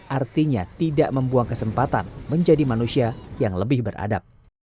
artinya tidak membuang kesempatan menjadi manusia yang lebih beradab